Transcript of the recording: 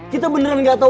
kita beneran gak tau